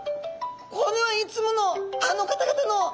これはいつものあの方々の。